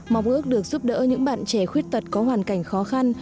mong ước được giúp đỡ những bạn trẻ khuyết tật có hoàn cảnh khó khăn